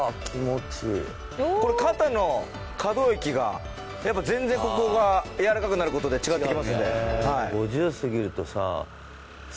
肩の可動域がやっぱ全然ここがやわらかくなる事で違ってきますんで。